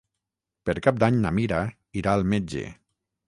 Per Cap d'Any na Mira irà al metge.